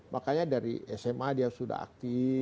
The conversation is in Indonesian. makanya dari sma dia sudah aktif